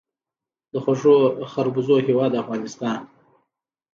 د خوږو خربوزو هیواد افغانستان.